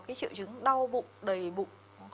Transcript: cái triệu chứng đau bụng đầy bụng